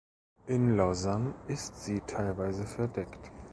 In Lausanne ist sie teilweise verdeckt.